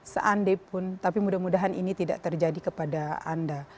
seandai pun tapi mudah mudahan ini tidak terjadi kepada anda